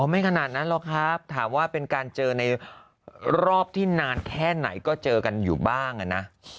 ไม่ขนาดนั้นหรอกครับถามว่าเป็นการเจอในรอบที่นานแค่ไหนก็เจอกันอยู่บ้างนะ